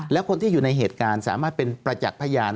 และคนที่อยู่ในเหตุการณ์สามารถเป็นประจักษ์พยาน